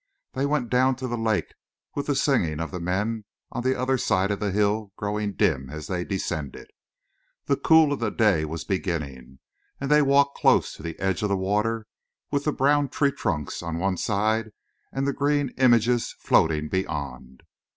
They went down to the lake with the singing of the men on the other side of the hill growing dim as they descended. The cool of the day was beginning, and they walked close to the edge of the water with the brown treetrunks on one side and the green images floating beyond.